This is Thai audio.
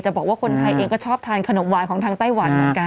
บอกว่าคนไทยเองก็ชอบทานขนมหวานของทางไต้หวันเหมือนกัน